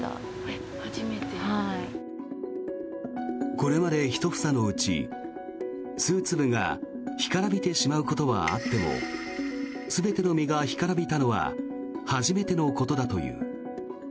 これまで１房のうち数粒が干からびてしまうことはあっても全ての実が干からびたのは初めてのことだという。